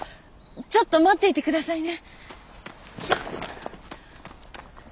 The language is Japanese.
ちょっと待っていて下さいね。